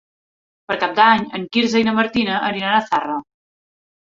Per Cap d'Any en Quirze i na Martina aniran a Zarra.